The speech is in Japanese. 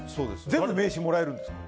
全部、名刺もらえるんですか。